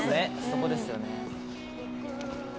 そこですよね。